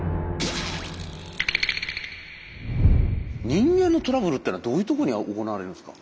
人間のトラブルってのはどういうとこに行われるんですか。